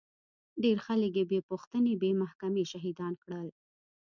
ډېر خلک يې بې پوښتنې بې محکمې شهيدان کړل.